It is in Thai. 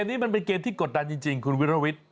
นี่มันเป็นเกมที่กดดันจริงคุณวิรวิทย์